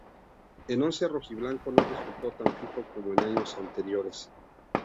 En once rojiblanco no resultó tan fijo como en años anteriores.